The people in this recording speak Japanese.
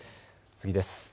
次です。